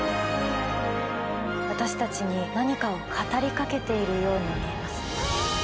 私たちに、何かを語りかけているように見えます。